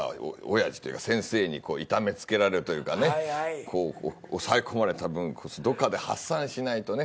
親父というか先生に痛めつけられるというかねこう抑え込まれた分どっかで発散しないとね。